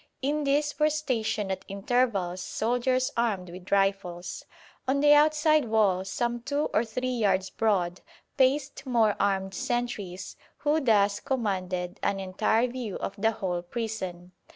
In this were stationed at intervals soldiers armed with rifles. On the outside wall, some two or three yards broad, paced more armed sentries, who thus commanded an entire view of the whole prison.